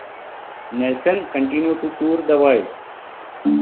Nelson continue to tour the world.